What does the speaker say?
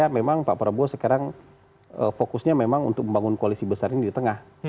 karena memang pak prabowo sekarang fokusnya memang untuk membangun koalisi besar ini di tengah